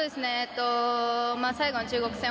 最後の中国戦